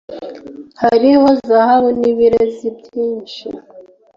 Hariho zahabu n’ibirezi byinshi